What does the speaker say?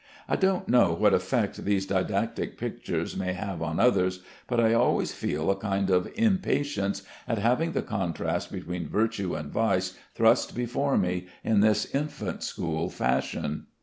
I don't know what effect these didactic pictures may have on others, but I always feel a kind of impatience at having the contrast between virtue and vice thrust before me in this infant school fashion.